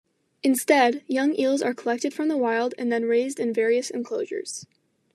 Instead, young eels are collected from the wild and then raised in various enclosures.